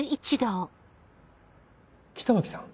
北脇さん？